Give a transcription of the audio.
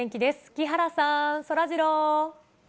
木原さん、そらジロー。